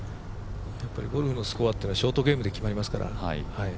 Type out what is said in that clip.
ゴルフのスコアはショートゲームで決まりますから。